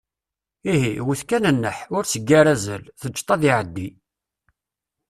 Ihi, wwet kan nnaḥ, ur s-ggar azal, teǧǧeḍ-t ad iɛeddi!